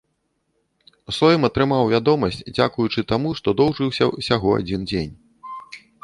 Сойм атрымаў вядомасць дзякуючы таму, што доўжыўся ўсяго адзін дзень.